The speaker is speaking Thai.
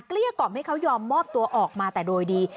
เรียกกล่อมให้เขายอมมอบตัวออกมาแต่โดยดี